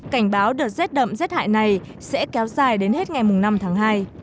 cảnh báo đợt rét đậm rét hại này sẽ kéo dài đến hết ngày năm tháng hai